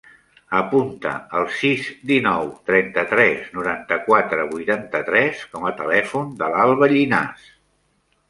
Apunta el sis, dinou, trenta-tres, noranta-quatre, vuitanta-tres com a telèfon de l'Alba Llinas.